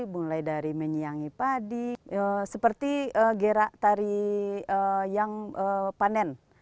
mulai dari menyiangi padi seperti gerak tari yang panen